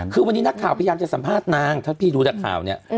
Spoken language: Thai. คือวันนี้นักข่าวพยายามจะสัมภาษณ์นางถ้าพี่ดูจากข่าวเนี่ย